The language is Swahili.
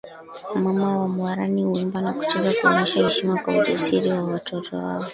Mama wa Morani huimba na kucheza kuonyesha heshima kwa ujasiri wa watoto wao